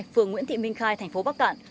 phường nguyễn thị minh khai thành phố bắc cạn